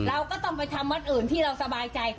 เราก็ต้องไปทำวัดอื่นที่เราสบายใจ